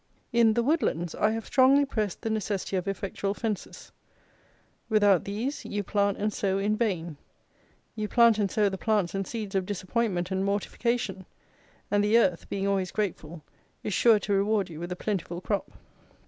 In The Woodlands, I have strongly pressed the necessity of effectual fences; without these, you plant and sow in vain: you plant and sow the plants and seeds of disappointment and mortification; and the earth, being always grateful, is sure to reward you with a plentiful crop.